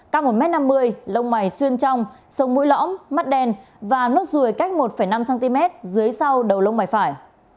cao một m năm mươi lông mày xuyên trong sông mũi lõm mắt đen và nốt ruồi cách một năm cm dưới sau đầu lông mày phải